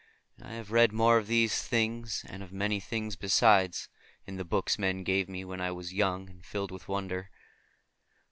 And I have read more of these things, and of many things besides, in the books men gave me when I was young and filled with wonder.